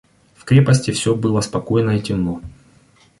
В крепости все было спокойно и темно.